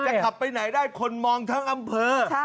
ขับไปไหนได้คนมองทั้งอำเภอ